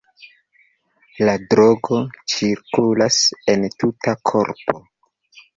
La drogo cirkulas en tuta korpo.